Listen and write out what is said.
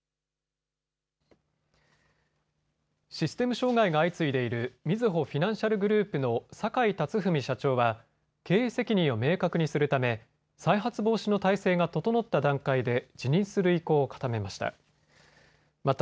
システム障害が相次いでいるみずほフィナンシャルグループの坂井辰史社長は経営責任を明確にするため再発防止の態勢が整った段階で辞任する意向を固めました。